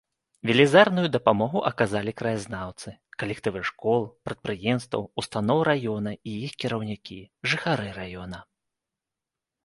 Велізарную дапамогу аказалі краязнаўцы, калектывы школ, прадпрыемстваў, устаноў раёна, іх кіраўнікі, жыхары раёна.